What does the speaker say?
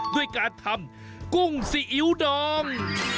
ด้วยการทำกุ้งซีอิ๊วดอง